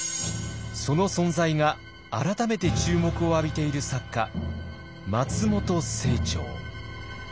その存在が改めて注目を浴びている作家松本清張。